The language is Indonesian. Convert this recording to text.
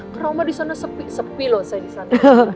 karena oma disana sepi sepi loh saya disana